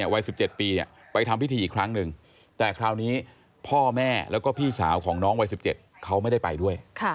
วัย๑๗ปีไปทำพิธีอีกครั้งหนึ่งแต่คราวนี้พ่อแม่แล้วก็พี่สาวของน้องวัย๑๗เขาไม่ได้ไปด้วย